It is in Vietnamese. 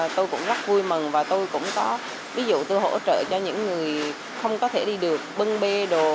tôi cũng rất vui mừng và tôi cũng có ví dụ tôi hỗ trợ cho những người không có thể đi được bân bê đồ